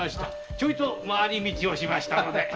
ちょいと回り道をしましたので。